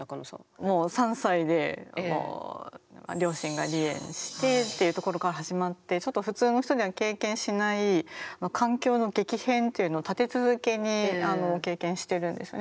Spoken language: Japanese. もう３歳で両親が離縁してっていうところから始まってちょっと普通の人では経験しない環境の激変というのを立て続けに経験してるんですね